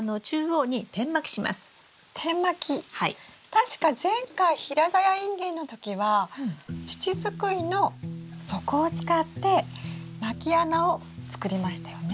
確か前回平ざやインゲンの時は土すくいの底を使ってまき穴を作りましたよね。